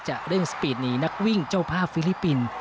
เร่งสปีดหนีนักวิ่งเจ้าภาพฟิลิปปินส์